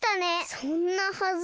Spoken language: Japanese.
そんなはずは。